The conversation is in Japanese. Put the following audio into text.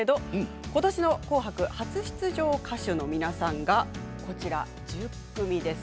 ことしの「紅白」初出場歌手の皆さんがこちらです。